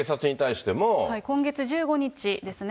今月１５日ですね。